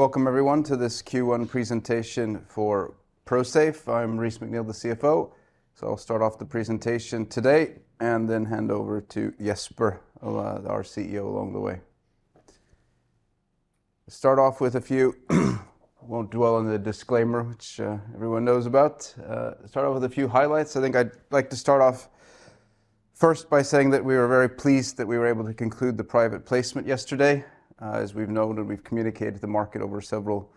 Welcome everyone to this Q1 presentation for Prosafe. I'm Reese McNeel, the CFO. I'll start off the presentation today and then hand over to Jesper, our CEO along the way. I won't dwell on the disclaimer, which everyone knows about. Start off with a few highlights. I think I'd like to start off first by saying that we are very pleased that we were able to conclude the private placement yesterday. As we've noted, we've communicated to the market over several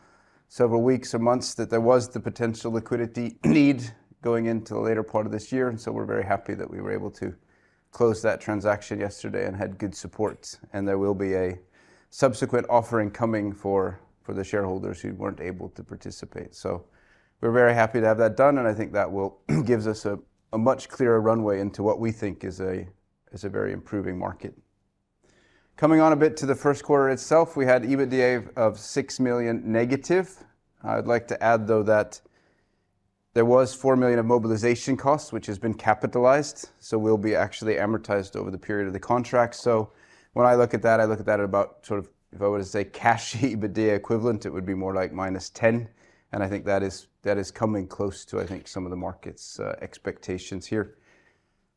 weeks and months that there was the potential liquidity need going into the later part of this year, we're very happy that we were able to close that transaction yesterday and had good support. There will be a subsequent offering coming for the shareholders who weren't able to participate. We're very happy to have that done, and I think that will give us a much clearer runway into what we think is a very improving market. Coming on a bit to the Q1 itself, we had EBITDA of $6 million negative. I'd like to add though that there was $4 million of mobilization costs, which has been capitalized, so will be actually amortized over the period of the contract. When I look at that, I look at that at about sort of if I were to say cash EBITDA equivalent, it would be more like minus $10 million, and I think that is, that is coming close to, I think, some of the market's expectations here.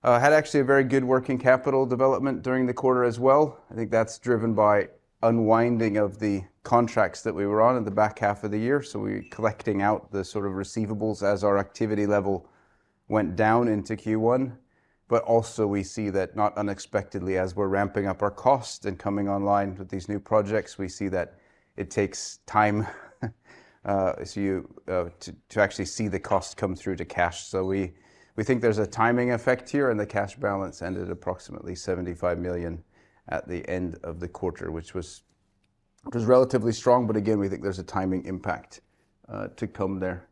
Had actually a very good working capital development during the quarter as well. I think that's driven by unwinding of the contracts that we were on in the back half of the year, so we're collecting out the sort of receivables as our activity level went down into Q1. We see that, not unexpectedly, as we're ramping up our cost and coming online with these new projects, we see that it takes time, so you to actually see the cost come through to cash. We think there's a timing effect here, and the cash balance ended approximately $75 million at the end of the quarter, which was relatively strong, again, we think there's a timing impact to come there.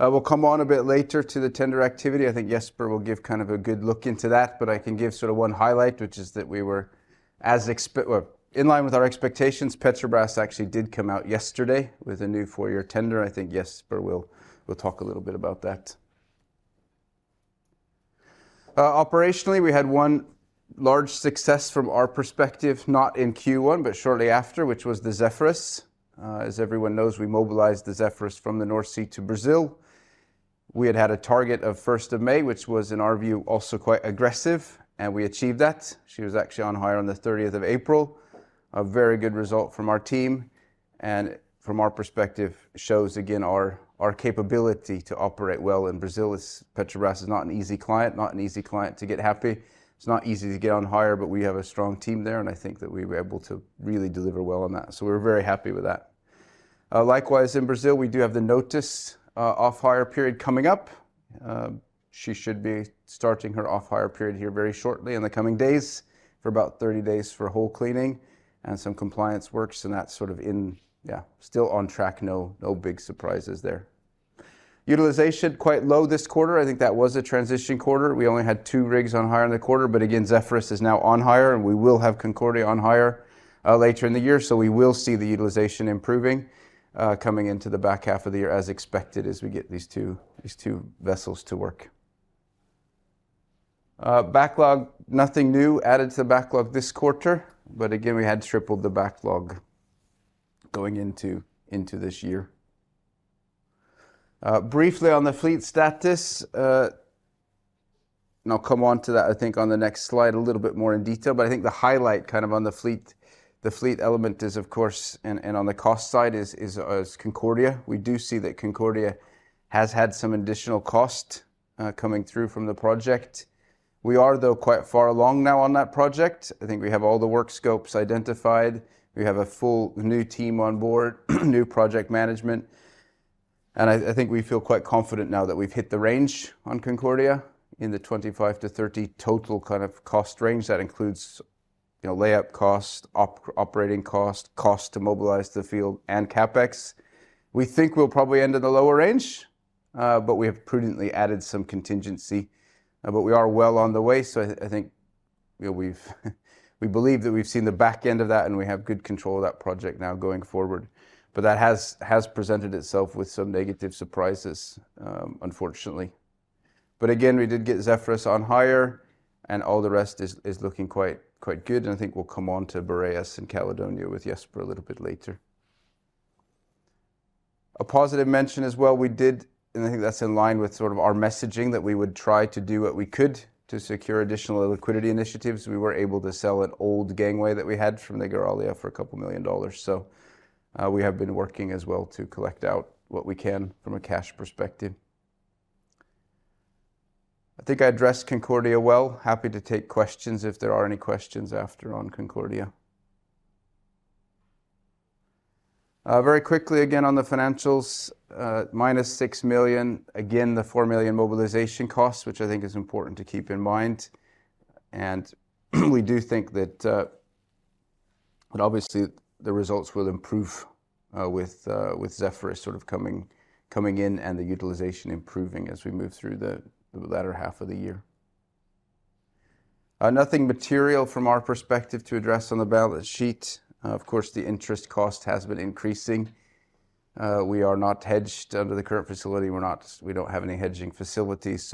We'll come on a bit later to the tender activity. I think Jesper will give kind of a good look into that, but I can give sort of one highlight, which is that we were well, in line with our expectations, Petrobras actually did come out yesterday with a new four-year tender. I think Jesper will talk a little bit about that. Operationally, we had one large success from our perspective, not in Q1, but shortly after, which was the Zephyrus. Everyone knows, we mobilized the Zephyrus from the North Sea to Brazil. We had had a target of 1st of May, which was, in our view, also quite aggressive, we achieved that. She was actually on hire on the 30th of April. A very good result from our team, from our perspective shows again our capability to operate well. Brazil is... Petrobras is not an easy client, not an easy client to get happy. It's not easy to get on hire, but we have a strong team there, and I think that we were able to really deliver well on that. We're very happy with that. Likewise, in Brazil, we do have the Notice off hire period coming up. She should be starting her off hire period here very shortly in the coming days for about 30 days for whole cleaning and some compliance works and that sort of. Yeah, still on track. No big surprises there. Utilization quite low this quarter. I think that was a transition quarter. We only had two rigs on hire in the quarter. Again, Zephyrus is now on hire. We will have Concordia on hire later in the year. We will see the utilization improving coming into the back half of the year as expected as we get these two vessels to work. Backlog, nothing new added to the backlog this quarter. Again, we had tripled the backlog going into this year. Briefly on the fleet status. I'll come on to that, I think, on the next slide a little bit more in detail. I think the highlight kind of on the fleet element is, of course, and on the cost side is Concordia. We do see that Concordia has had some additional cost coming through from the project. We are, though, quite far along now on that project. I think we have all the work scopes identified. We have a full new team on board, new project management. I think we feel quite confident now that we've hit the range on Concordia in the $25-$30 total kind of cost range. That includes, you know, layup cost, operating cost to mobilize the field and CapEx. We think we'll probably end in the lower range, but we have prudently added some contingency. We are well on the way, so I think, you know, we believe that we've seen the back end of that, and we have good control of that project now going forward. That has presented itself with some negative surprises, unfortunately. Again, we did get Zephyrus on hire, and all the rest is looking quite good, and I think we'll come on to Boreas and Caledonia with Jesper a little bit later. A positive mention as well, we did, and I think that's in line with sort of our messaging that we would try to do what we could to secure additional liquidity initiatives, we were able to sell an old gangway that we had from the Regalia for $2 million. We have been working as well to collect out what we can from a cash perspective. I think I addressed Concordia well. Happy to take questions if there are any questions after on Concordia. Very quickly again on the financials, -$6 million, again, the $4 million mobilization costs, which I think is important to keep in mind. We do think that obviously the results will improve with Zephyrus sort of coming in and the utilization improving as we move through the latter half of the year. Nothing material from our perspective to address on the balance sheet. Of course, the interest cost has been increasing. We are not hedged under the current facility. We don't have any hedging facilities.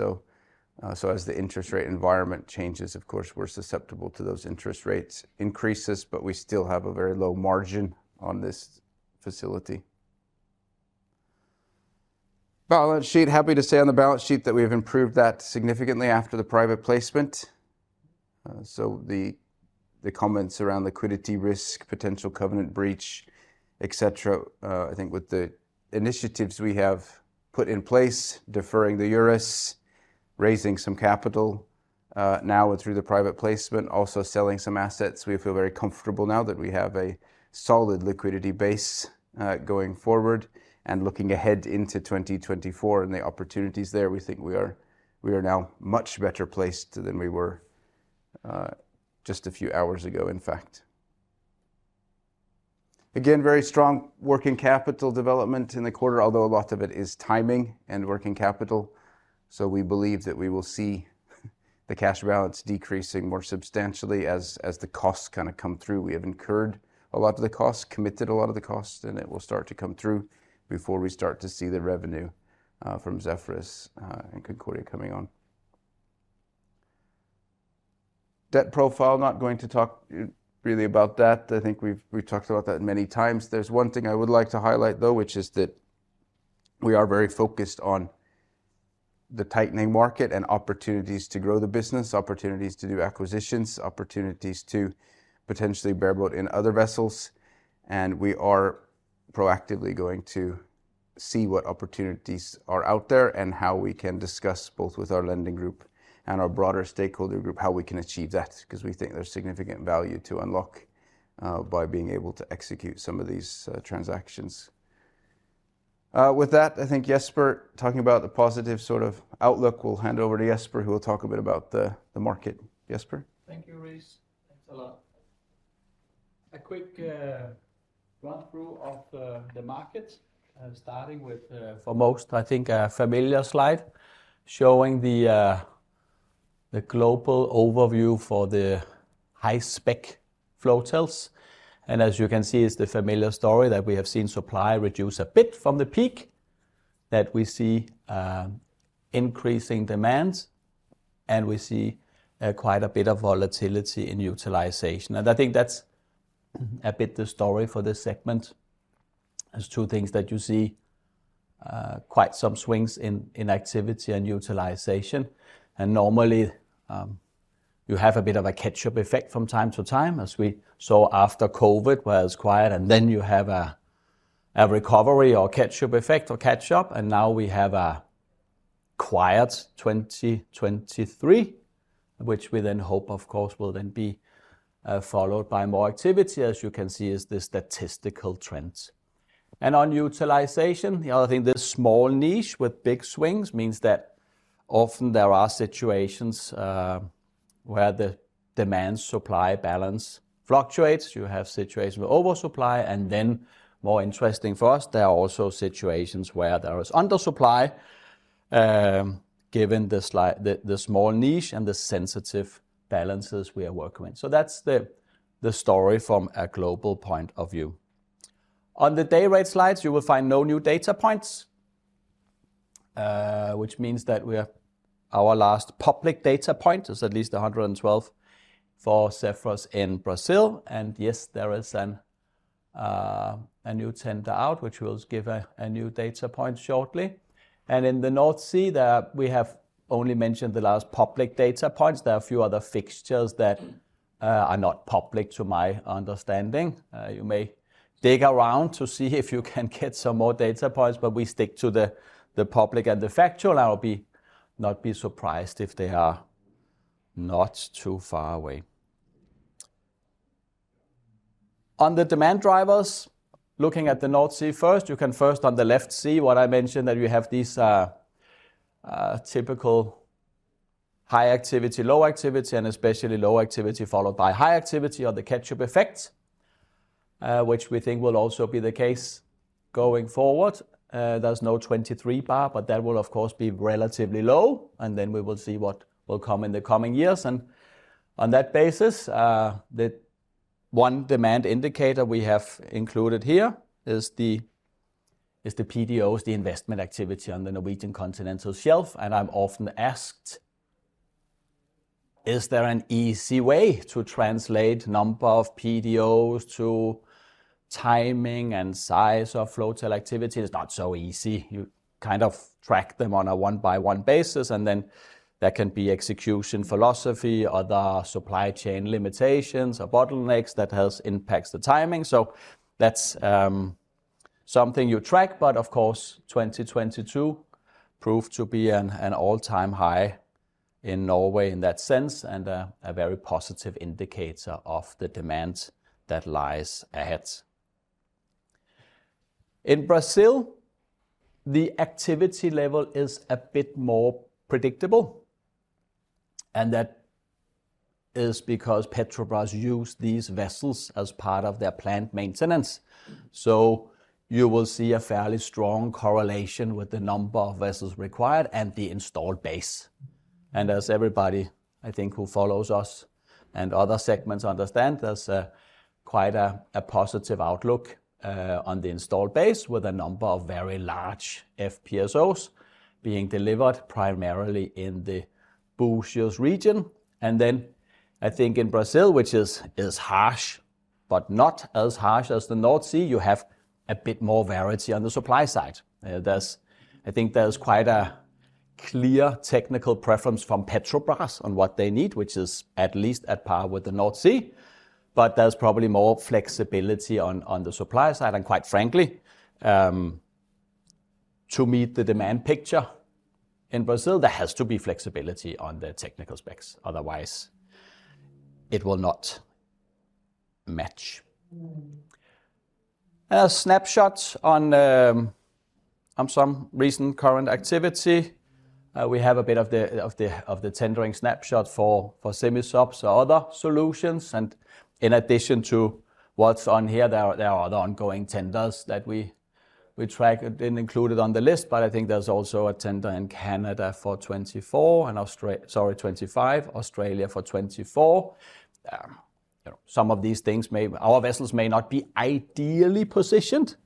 As the interest rate environment changes, of course, we're susceptible to those interest rates increases, but we still have a very low margin on this facility. Balance sheet. Happy to say on the balance sheet that we have improved that significantly after the private placement. The comments around liquidity risk, potential covenant breach, et cetera, I think with the initiatives we have put in place, deferring the Eurus, raising some capital, now through the private placement, also selling some assets. We feel very comfortable now that we have a solid liquidity base, going forward and looking ahead into 2024 and the opportunities there. We think we are now much better placed than we were just a few hours ago, in fact. Again, very strong working capital development in the quarter, although a lot of it is timing and working capital. We believe that we will see the cash balance decreasing more substantially as the costs kind of come through. We have incurred a lot of the costs, committed a lot of the costs, and it will start to come through before we start to see the revenue from Zephyrus and Concordia coming on. Debt profile. Not going to talk really about that. I think we've talked about that many times. There's one thing I would like to highlight though, which is that we are very focused on the tightening market and opportunities to grow the business, opportunities to do acquisitions, opportunities to potentially bareboat in other vessels. We are proactively going to see what opportunities are out there and how we can discuss both with our lending group and our broader stakeholder group, how we can achieve that, because we think there's significant value to unlock by being able to execute some of these transactions. With that, I think Jesper talking about the positive sort of outlook. We'll hand over to Jesper, who will talk a bit about the market. Jesper. Thank you, Reese. Thanks a lot. A quick run-through of the market, starting with, for most, I think a familiar slide showing the global overview for the high-spec flotels. As you can see, it's the familiar story that we have seen supply reduce a bit from the peak, that we see increasing demand, and we see quite a bit of volatility in utilization. I think that's a bit the story for this segment. There's two things that you see quite some swings in activity and utilization. Normally, you have a bit of a catch-up effect from time to time, as we saw after COVID, where it's quiet, then you have a recovery or catch-up effect or catch-up. Now we have a quiet 2023, which we then hope, of course, will then be followed by more activity, as you can see is the statistical trends. On utilization, the other thing, this small niche with big swings means that often there are situations where the demand-supply balance fluctuates. You have situations with oversupply, and then more interesting for us, there are also situations where there is undersupply, given the small niche and the sensitive balances we are working with. That's the story from a global point of view. On the day rate slides, you will find no new data points, which means that our last public data point is at least $112 for Zephyrus in Brazil. Yes, there is a new tender out, which will give a new data point shortly. In the North Sea, we have only mentioned the last public data points. There are a few other fixtures that are not public to my understanding. You may dig around to see if you can get some more data points, but we stick to the public and the factual. I'll not be surprised if they are not too far away. On the demand drivers, looking at the North Sea first, you can first on the left see what I mentioned, that you have these typical high activity, low activity, and especially low activity followed by high activity or the catch-up effect, which we think will also be the case going forward. There's no 23 bar, but that will of course be relatively low, and then we will see what will come in the coming years. On that basis, the one demand indicator we have included here is the, is the PDOs, the investment activity on the Norwegian Continental Shelf. I'm often asked, "Is there an easy way to translate number of PDOs to timing and size of flotel activity?" It's not so easy. You kind of track them on a one-by-one basis, and then there can be execution philosophy, other supply chain limitations or bottlenecks that has impacts the timing. That's something you track. Of course, 2022 proved to be an all-time high in Norway in that sense, and a very positive indicator of the demand that lies ahead. In Brazil, the activity level is a bit more predictable, and that is because Petrobras use these vessels as part of their plant maintenance. You will see a fairly strong correlation with the number of vessels required and the installed base. As everybody, I think, who follows us and other segments understand, there's quite a positive outlook on the installed base with a number of very large FPSOs being delivered primarily in the Búzios region. I think in Brazil, which is harsh but not as harsh as the North Sea, you have a bit more variety on the supply side. I think there's quite a clear technical preference from Petrobras on what they need, which is at least at par with the North Sea, but there's probably more flexibility on the supply side. Quite frankly, to meet the demand picture in Brazil, there has to be flexibility on the technical specs, otherwise it will not match. A snapshot on some recent current activity. We have a bit of the tendering snapshot for semi-subs or other solutions. In addition to what's on here, there are other ongoing tenders that we track and didn't include it on the list. I think there's also a tender in Canada for 24 and Australia for 25, Australia for 24. You know, some of these things, our vessels may not be ideally positioned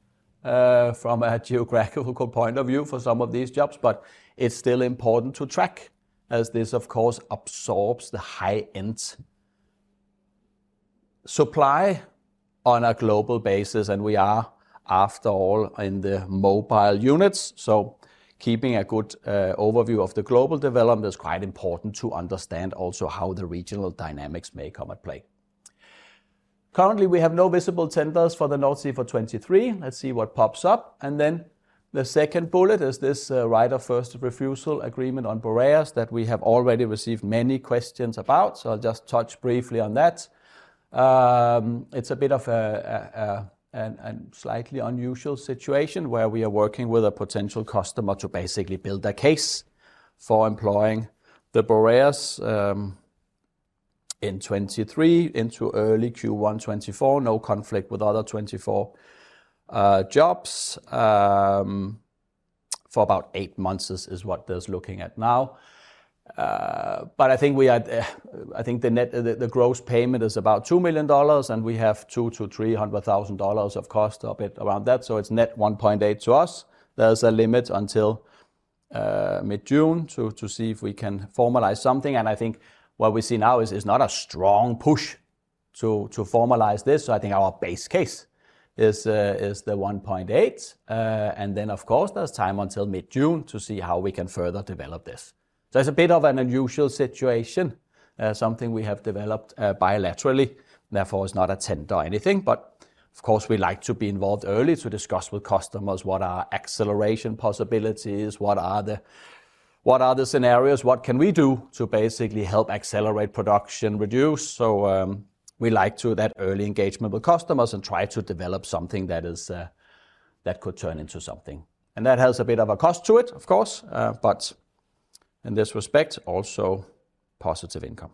from a geographical point of view for some of these jobs, but it's still important to track as this of course absorbs the high-end supply on a global basis. We are, after all, in the mobile units, so keeping a good overview of the global development is quite important to understand also how the regional dynamics may come at play. Currently, we have no visible tenders for the North Sea for 2023. Let's see what pops up. The second bullet is this right of first refusal agreement on Boreas that we have already received many questions about, so I'll just touch briefly on that. It's a bit of a slightly unusual situation where we are working with a potential customer to basically build a case for employing the Boreas in 2023 into early Q1 2024. No conflict with other 2024 jobs. For about eight months is what there's looking at now. I think we are, I think the gross payment is about $2 million, and we have $200,000-$300,000 of cost or a bit around that, so it's net $1.8 million to us. There's a limit until mid-June to see if we can formalize something. I think what we see now is not a strong push to formalize this. I think our base case is the $1.8 million. Then of course there's time until mid-June to see how we can further develop this. It's a bit of an unusual situation, something we have developed bilaterally, therefore it's not a tender or anything. Of course we like to be involved early to discuss with customers what are acceleration possibilities, what are the scenarios, what can we do to basically help accelerate production reduce. We like to that early engagement with customers and try to develop something that is that could turn into something. That has a bit of a cost to it, of course. In this respect, also positive income.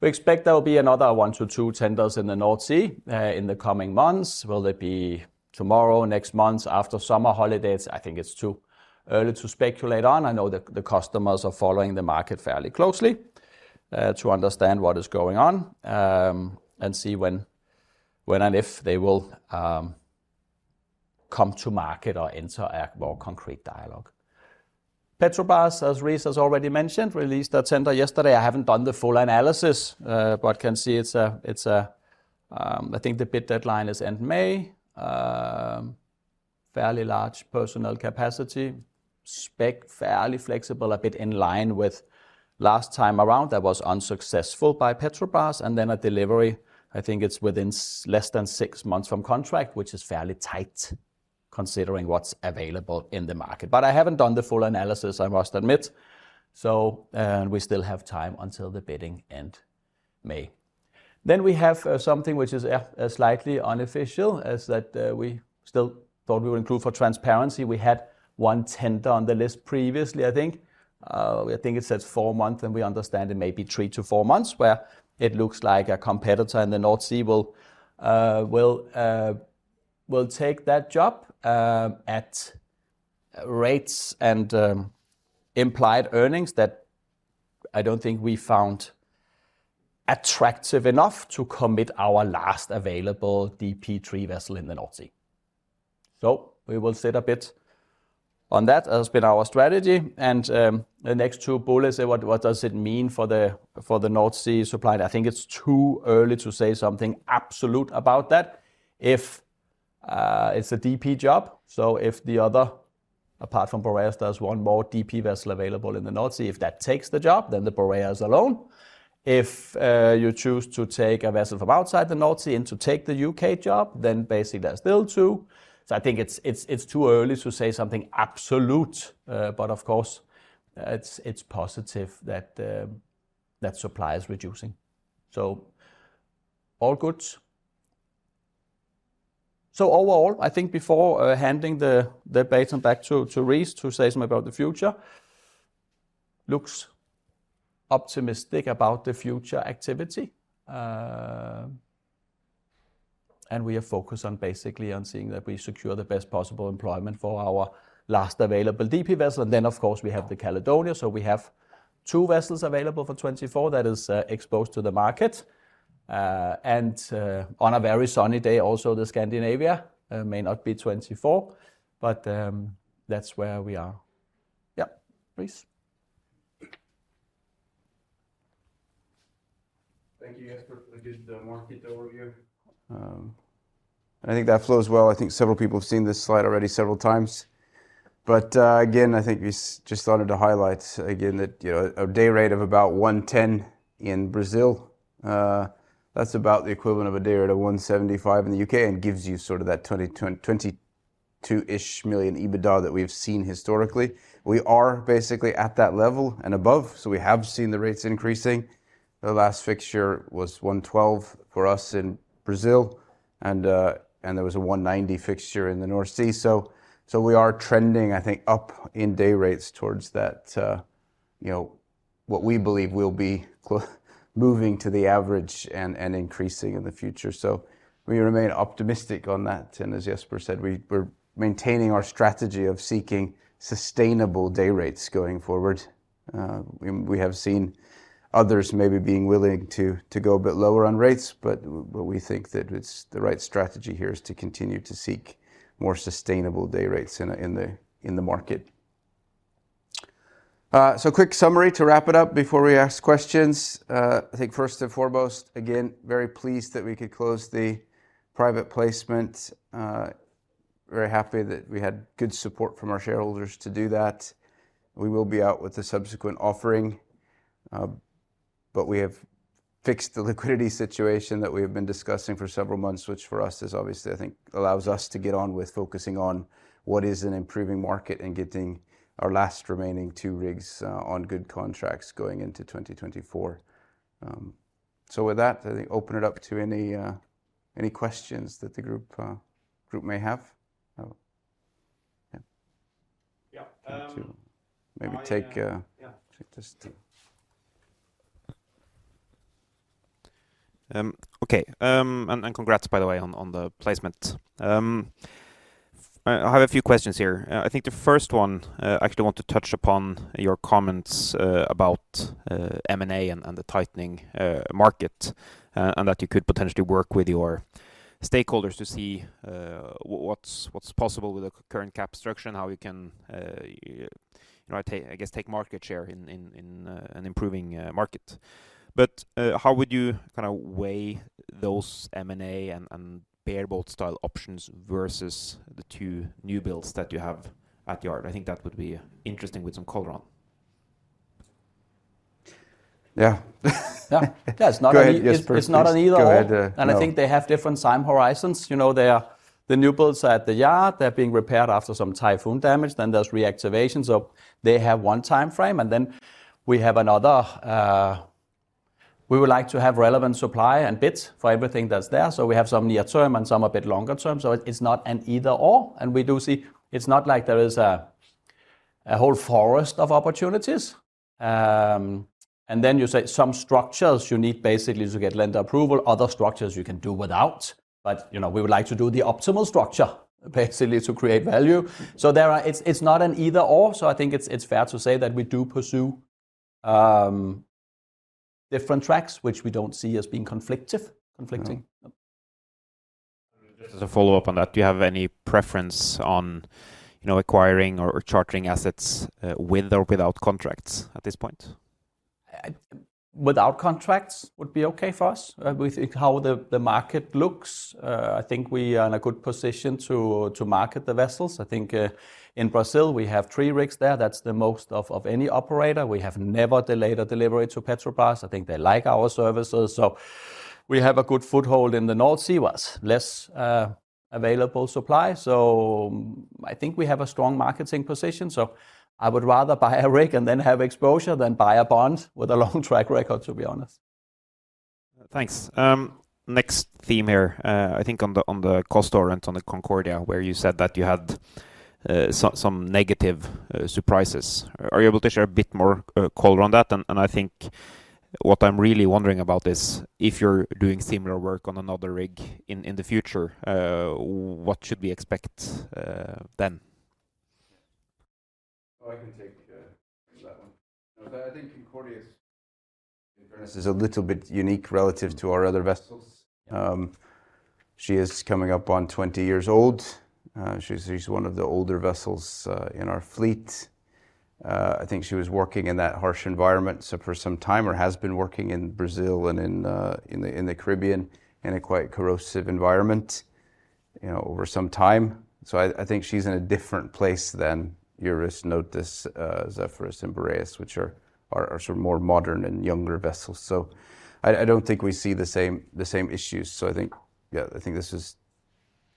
We expect there will be another one to two tenders in the North Sea in the coming months. Will it be tomorrow, next month, after summer holidays? I think it's too early to speculate on. I know the customers are following the market fairly closely to understand what is going on and see when and if they will come to market or enter a more concrete dialogue. Petrobras, as Reese has already mentioned, released a tender yesterday. I haven't done the full analysis, but can see it's a, I think the bid deadline is end May. Fairly large personal capacity. Spec fairly flexible, a bit in line with last time around that was unsuccessful by Petrobras. At delivery, I think it's within less than 6 months from contract, which is fairly tight considering what's available in the market. I haven't done the full analysis, I must admit. We still have time until the bidding end May. We have something which is slightly unofficial is that we still thought we would include for transparency. We had one tender on the list previously, I think. I think it says four months, and we understand it may be three to four months, where it looks like a competitor in the North Sea will take that job at rates and implied earnings that I don't think we found attractive enough to commit our last available DP3 vessel in the North Sea. So we will sit a bit on that. That's been our strategy. The next two bullets say, what does it mean for the, for the North Sea supply? I think it's too early to say something absolute about that. If it's a DP job, so if the other, apart from Boreas, there's 1 more DP vessel available in the North Sea. If that takes the job, then the Boreas alone. If you choose to take a vessel from outside the North Sea and to take the U.K. job, then basically there's still two. I think it's, it's too early to say something absolute. But of course, it's positive that that supply is reducing. All good. Overall, I think before handing the baton back to Reese to say something about the future, looks optimistic about the future activity. We are focused on basically on seeing that we secure the best possible employment for our last available DP vessel. Then, of course, we have the Caledonia, so we have two vessels available for 24 that is exposed to the market. On a very sunny day, also the Scandinavia, may not be 24, but that's where we are. Yeah. Please. Thank you, Jesper, for a good market overview. I think that flows well. I think several people have seen this slide already several times. Again, I think we just wanted to highlight again that, you know, a day rate of about $110 in Brazil, that's about the equivalent of a day rate of $175 in the U.K. and gives you sort of that $22-ish million EBITDA that we have seen historically. We are basically at that level and above, we have seen the rates increasing. The last fixture was $112 for us in Brazil and there was a $190 fixture in the North Sea. We are trending, I think, up in day rates towards that, you know, what we believe will be moving to the average and increasing in the future. We remain optimistic on that. As Jesper said, we're maintaining our strategy of seeking sustainable day rates going forward. We have seen others maybe being willing to go a bit lower on rates, but we think that it's the right strategy here is to continue to seek more sustainable day rates in the market. Quick summary to wrap it up before we ask questions. I think first and foremost, again, very pleased that we could close the private placement. Very happy that we had good support from our shareholders to do that. We will be out with a subsequent offering, we have fixed the liquidity situation that we have been discussing for several months, which for us is obviously, I think, allows us to get on with focusing on what is an improving market and getting our last remaining two rigs on good contracts going into 2024. With that, I think open it up to any questions that the group may have. Yeah. Yeah. I. Maybe take. Yeah Take this too. Okay. Congrats, by the way, on the placement. I have a few questions here. I think the first one, I actually want to touch upon your comments about M&A and the tightening market, and that you could potentially work with your stakeholders to see what's possible with the current cap structure and how you can, you know, take, I guess, take market share in an improving market. How would you kinda weigh those M&A and bareboat style options versus the two new builds that you have at yard? I think that would be interesting with some color on. Yeah. Yeah. Yeah, it's not an. Go ahead, Jesper. Please. It's not an either/or. Please go ahead. No. I think they have different time horizons. You know, they are the new builds at the yard. They're being repaired after some typhoon damage. There's reactivation. They have one timeframe, and then we have another. We would like to have relevant supply and bids for everything that's there. We have some near term and some a bit longer term. It's not an either/or, and we do see it's not like there is a whole forest of opportunities. Then you say some structures you need basically to get lender approval, other structures you can do without. You know, we would like to do the optimal structure basically to create value. It's not an either/or. I think it's fair to say that we do pursue different tracks, which we don't see as being conflictive, conflicting. Yeah. Just as a follow-up on that, do you have any preference on, you know, acquiring or chartering assets, with or without contracts at this point? Without contracts would be okay for us. We think how the market looks, I think we are in a good position to market the vessels. I think in Brazil, we have three rigs there. That's the most of any operator. We have never delayed a delivery to Petrobras. I think they like our services. We have a good foothold in the North Sea. Was less available supply. I think we have a strong marketing position. I would rather buy a rig and then have exposure than buy a bond with a long track record, to be honest. Thanks. Next theme here, I think on the cost or on the Concordia, where you said that you had some negative surprises. Are you able to share a bit more color on that? I think what I'm really wondering about is if you're doing similar work on another rig in the future, what should we expect then? Oh, I can take that one. I think Concordia's, in fairness, is a little bit unique relative to our other vessels. She is coming up on 20 years old. She's one of the older vessels in our fleet. I think she was working in that harsh environment for some time, or has been working in Brazil and in the Caribbean in a quite corrosive environment, you know, over some time. I think she's in a different place than Eurus, Nautilus, Zephyrus, and Boreas, which are sort of more modern and younger vessels. I don't think we see the same issues. I think, yeah, I think this is,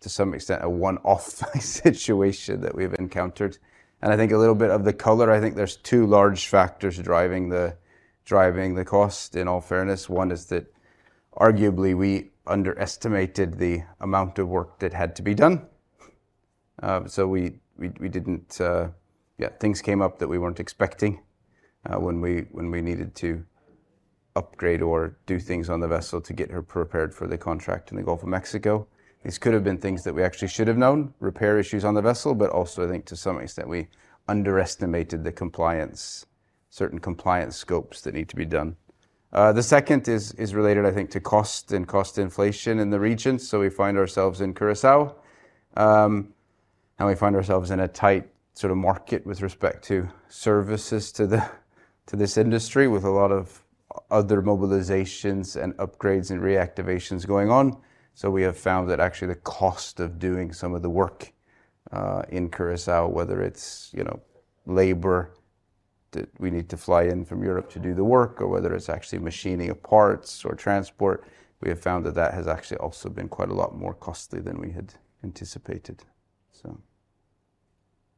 to some extent, a one-off situation that we've encountered. I think a little bit of the color, I think there's two large factors driving the cost, in all fairness. One is that arguably, we underestimated the amount of work that had to be done. So we didn't, things came up that we weren't expecting, when we needed to upgrade or do things on the vessel to get her prepared for the contract in the Gulf of Mexico. These could have been things that we actually should have known, repair issues on the vessel, but also I think to some extent we underestimated the compliance, certain compliance scopes that need to be done. The second is related, I think, to cost and cost inflation in the region. We find ourselves in Curaçao, and we find ourselves in a tight sort of market with respect to services to this industry with a lot of other mobilizations and upgrades and reactivations going on. We have found that actually the cost of doing some of the work in Curaçao, whether it's, you know, labor that we need to fly in from Europe to do the work, or whether it's actually machining of parts or transport, we have found that that has actually also been quite a lot more costly than we had anticipated.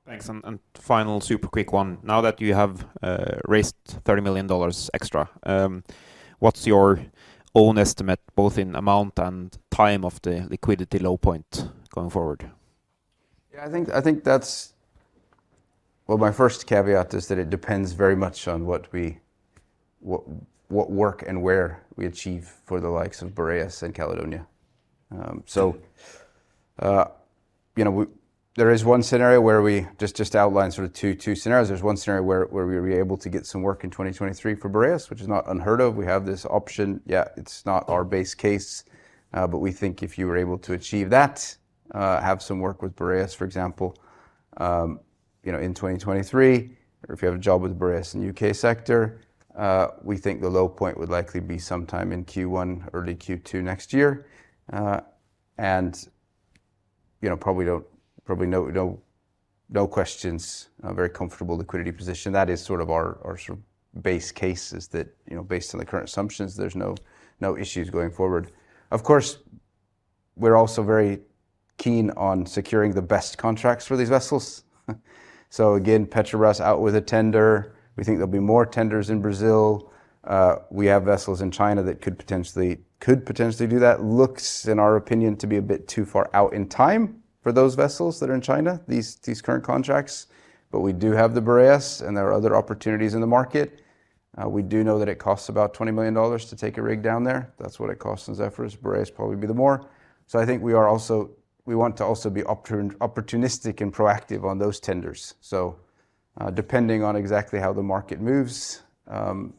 Thanks. And final super quick one. Now that you have raised $30 million extra, what's your own estimate both in amount and time of the liquidity low point going forward? I think that's... Well, my first caveat is that it depends very much on what we, what work and where we achieve for the likes of Boreas and Caledonia. You know, there is one scenario where we just outlined sort of two scenarios. There's one scenario where we'll be able to get some work in 2023 for Boreas, which is not unheard of. We have this option. It's not our base case, but we think if you were able to achieve that, have some work with Boreas, for example, you know, in 2023, or if you have a job with Boreas in U.K. sector, we think the low point would likely be sometime in Q1, early Q2 next year. You know, probably no questions, a very comfortable liquidity position. That is sort of our sort of base case is that, you know, based on the current assumptions, there's no issues going forward. Of course, we're also very keen on securing the best contracts for these vessels. Again, Petrobras out with a tender. We think there'll be more tenders in Brazil. We have vessels in China that could potentially do that. Looks in our opinion to be a bit too far out in time for those vessels that are in China, these current contracts. We do have the Boreas, and there are other opportunities in the market. We do know that it costs about $20 million to take a rig down there. That's what it costs in Zephyrus. Boreas probably'd be the more. I think we want to also be opportunistic and proactive on those tenders. Depending on exactly how the market moves, you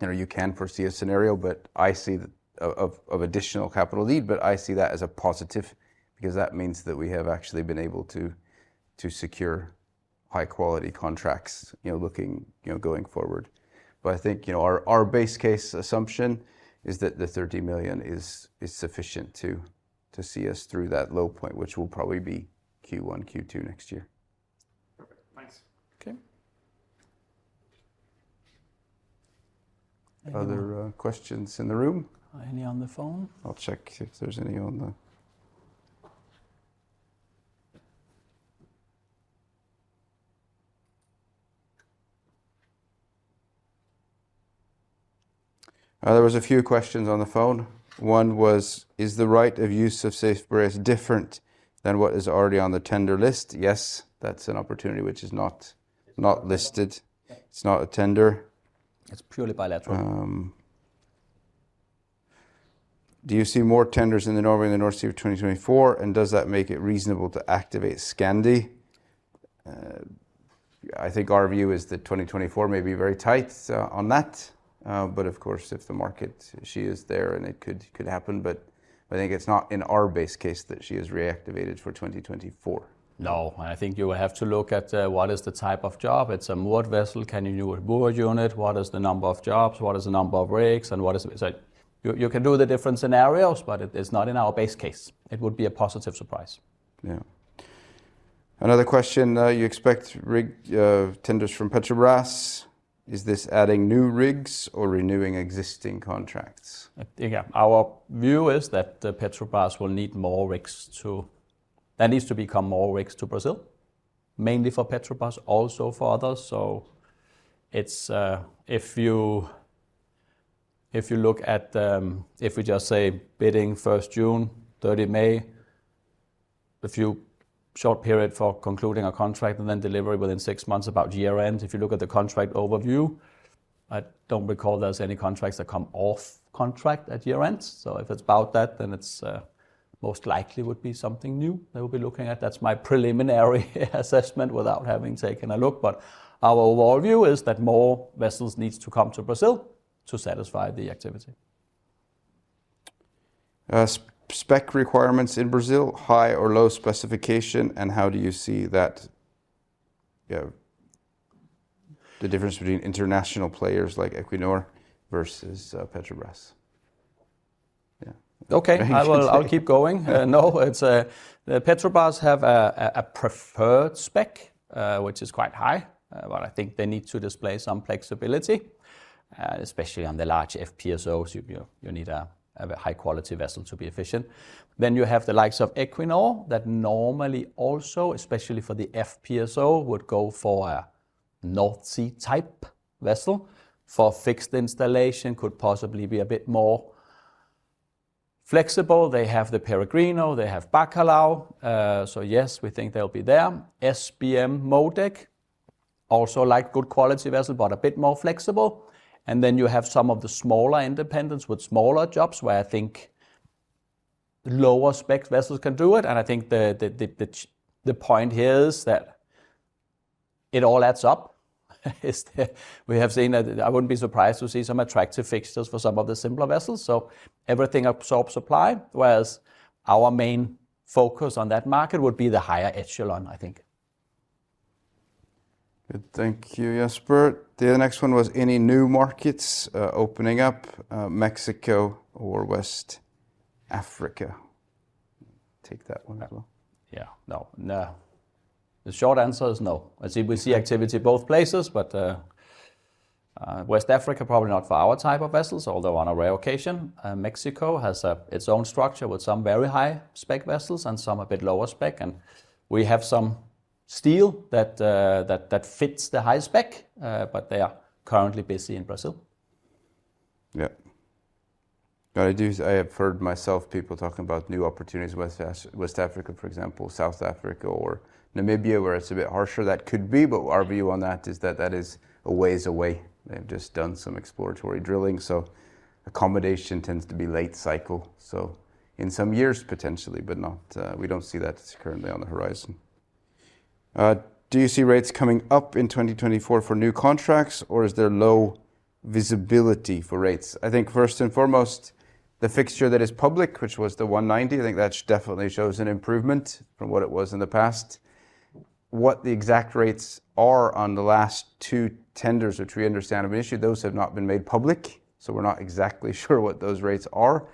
know, you can foresee a scenario, of additional capital need, but I see that as a positive because that means that we have actually been able to secure high quality contracts, you know, looking, you know, going forward. I think, you know, our base case assumption is that the $30 million is sufficient to see us through that low point, which will probably be Q1, Q2 next year. Perfect. Thanks. Okay. Other questions in the room? Any on the phone? There was a few questions on the phone. One was, "Is the right of use of Safe Boreas different than what is already on the tender list?" Yes, that's an opportunity which is not listed. Yeah. It's not a tender. It's purely bilateral. Do you see more tenders in Norway and the North Sea of 2024, and does that make it reasonable to activate Scandi?" I think our view is that 2024 may be very tight on that. Of course, if the market, she is there and it could happen. I think it's not in our base case that she is reactivated for 2024. No. I think you have to look at what is the type of job. It's a moored vessel. Can you do a moored unit? What is the number of jobs? What is the number of rigs? You can do the different scenarios, but it is not in our base case. It would be a positive surprise. Yeah. Another question. You expect rig tenders from Petrobras. Is this adding new rigs or renewing existing contracts? Yeah. There needs to become more rigs to Brazil, mainly for Petrobras, also for others. It's if you look at. If we just say bidding 1st June, 30 May, a few short period for concluding a contract and then delivery within 6 months about year-end. If you look at the contract overview, I don't recall there's any contracts that come off contract at year-end. If it's about that, then it's most likely would be something new that we'll be looking at. That's my preliminary assessment without having taken a look. Our overall view is that more vessels needs to come to Brazil to satisfy the activity. Spec requirements in Brazil, high or low specification, and how do you see that, you know, the difference between international players like Equinor versus Petrobras? Yeah. Okay. I will, I'll keep going. No, it's Petrobras have a preferred spec, which is quite high. I think they need to display some flexibility, especially on the large FPSOs. You need a high quality vessel to be efficient. You have the likes of Equinor that normally also, especially for the FPSO, would go for a North Sea type vessel. For fixed installation could possibly be a bit more flexible. They have the Peregrino, they have Bacalhau. SBM MoTech, also like good quality vessel, but a bit more flexible. You have some of the smaller independents with smaller jobs where I think lower spec vessels can do it, and I think the point here is that it all adds up is the... We have seen that. I wouldn't be surprised to see some attractive fixtures for some of the simpler vessels. Everything absorbs supply, whereas our main focus on that market would be the higher echelon, I think. Good. Thank you, Jesper. The next one was any new markets opening up Mexico or West Africa? Take that one as well. No. No. The short answer is no. I see, we see activity both places, but West Africa probably not for our type of vessels, although on a rare occasion. Mexico has its own structure with some very high spec vessels and some a bit lower spec. We have some steel that fits the high spec. They are currently busy in Brazil. Yeah. I do I have heard myself people talking about new opportunities West Africa, for example, South Africa or Namibia where it's a bit harsher. That could be, our view on that is that that is a ways away. They've just done some exploratory drilling, accommodation tends to be late cycle. In some years potentially, but not, we don't see that currently on the horizon. Do you see rates coming up in 2024 for new contracts, or is there low visibility for rates? I think first and foremost, the fixture that is public, which was the $190, I think that definitely shows an improvement from what it was in the past. What the exact rates are on the last two tenders, which we understand have been issued, those have not been made public, so we're not exactly sure what those rates are.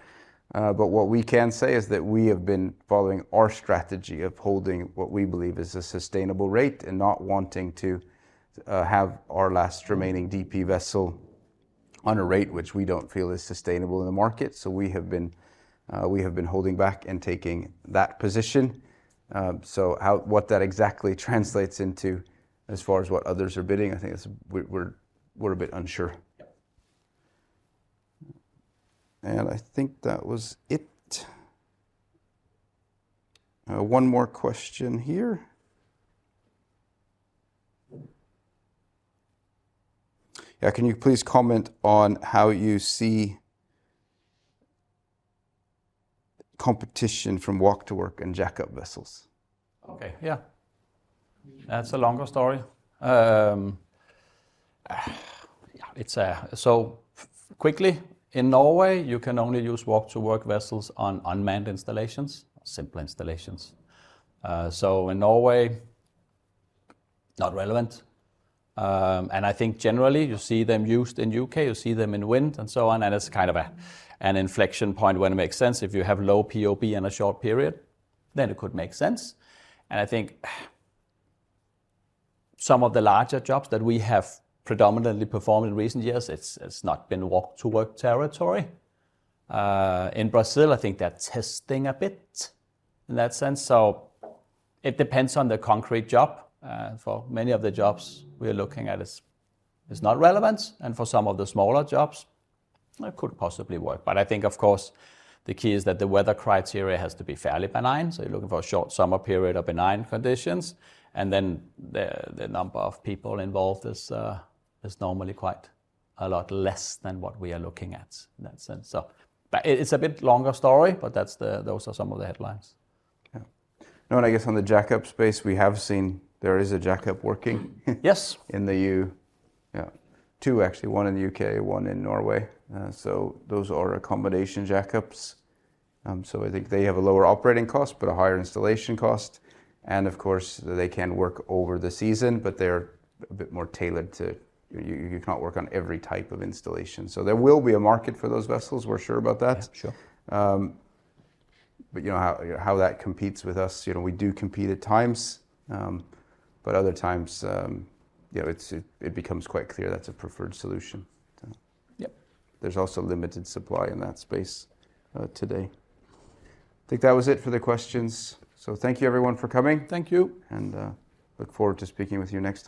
What we can say is that we have been following our strategy of holding what we believe is a sustainable rate and not wanting to have our last remaining DP vessel on a rate which we don't feel is sustainable in the market. We have been holding back and taking that position. What that exactly translates into as far as what others are bidding, I think that's. We're a bit unsure. Yep. I think that was it. One more question here. Yeah. Can you please comment on how you see competition from walk-to-work and jackup vessels? Okay. Yeah. That's a longer story. Quickly, in Norway you can only use walk-to-work vessels on unmanned installations, simple installations. In Norway, not relevant. I think generally you see them used in U.K., you see them in wind and so on, and it's kind of a, an inflection point when it makes sense. If you have low POB in a short period, then it could make sense. I think some of the larger jobs that we have predominantly performed in recent years, it's not been walk-to-work territory. In Brazil, I think they're testing a bit in that sense. It depends on the concrete job. For many of the jobs we're looking at it's not relevant, and for some of the smaller jobs it could possibly work. I think of course the key is that the weather criteria has to be fairly benign, so you're looking for a short summer period of benign conditions. Then the number of people involved is normally quite a lot less than what we are looking at in that sense. But it's a bit longer story, but that's the, those are some of the headlines. Yeah. No, I guess on the jackup space we have seen there is a jackup working Yes In the U.K.. Yeah. Two actually. One in the U.K., one in Norway. Those are accommodation jackups. I think they have a lower operating cost but a higher installation cost. Of course they can work over the season, but they're a bit more tailored to, you can't work on every type of installation. There will be a market for those vessels, we're sure about that. Yeah, sure. You know how, you know how that competes with us, you know, we do compete at times. Other times, you know, it becomes quite clear that's a preferred solution. Yep. There's also limited supply in that space today. I think that was it for the questions. Thank you everyone for coming. Thank you. Look forward to speaking with you next time.